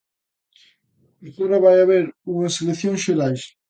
Agora vai haber unhas eleccións xerais.